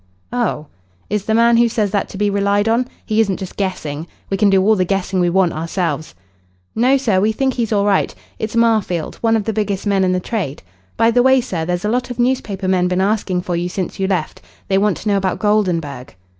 "Oh. Is the man who says that to be relied on? He isn't just guessing? We can do all the guessing we want ourselves." "No, sir, we think he's all right. It's Marfield one of the biggest men in the trade. By the way, sir, there's a lot of newspaper men been asking for you since you left. They want to know about Goldenburg."